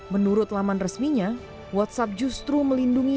menurut laman resminya whatsapp justru melindungi